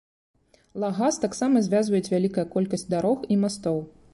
Лагас таксама звязваюць вялікая колькасць дарог і мастоў.